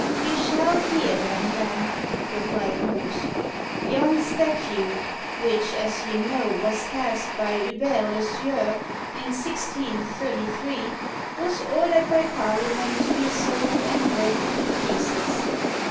"You shall hear them, then," replied Morse. "Yon statue, which, as you know, was cast by Hubert le Sueur, in 1633, was ordered by Parliament to be sold and broken to pieces.